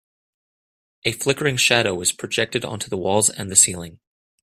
A flickering shadow was projected onto the walls and the ceiling.